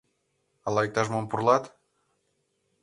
— Ала иктаж-мом пурлат?